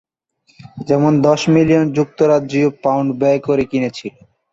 যেমন: দশ মিলিয়ন যুক্তরাজ্যীয় পাউন্ড ব্যায় করে কিনেছিল।